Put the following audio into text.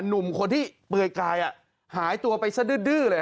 หนุ่มคนที่เปลือยกายหายตัวไปซะดื้อเลย